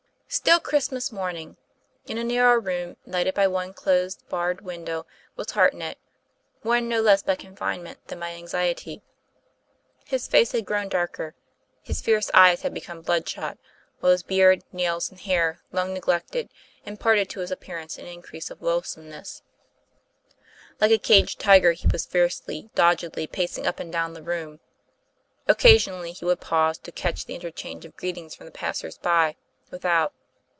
STILL Christmas morning! In a narrow room, lighted by one close barred window, was Hart nett, worn no less by confinement than by anxiety. His face had grown darker, his fierce eyes had be come bloodshot; while his beard, nails, and hair, long neglected, imparted to his appearance an in crease of loathsomeness. 244 TOM PLAYFAIR. Like a caged tiger, he was fiercely, doggedly pacing up and down the room. Occasionally he would pause to catch the interchange of greetings from the passers by without.